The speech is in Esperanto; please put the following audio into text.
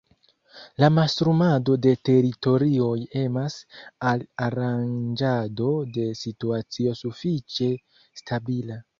La mastrumado de teritorioj emas al aranĝado de situacio sufiĉe stabila.